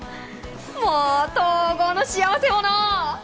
もう東郷の幸せ者！